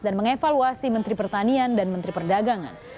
dan mengevaluasi menteri pertanian dan menteri perdagangan